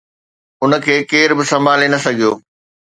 ان کي ڪير به سنڀالي نه سگهيو